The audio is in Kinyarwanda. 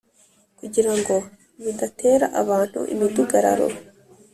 kugira ngo bidatera abantu imidugararo